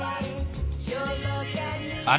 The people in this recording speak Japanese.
あれ？